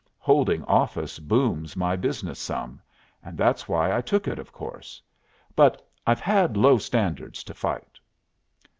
Holding office booms my business some, and that's why I took it, of course. But I've had low standards to fight."